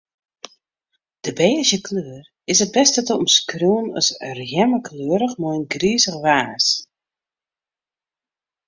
De bêzje kleur is it bêst te omskriuwen as rjemmekleurich mei in grizich waas.